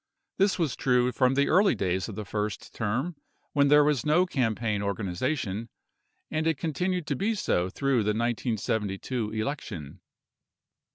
This was true from the early days of the first term, when there was no campaign organization, and it continued to be so through the 1972 election.